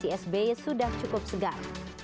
csb sudah cukup segar